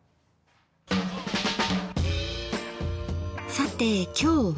さて今日は？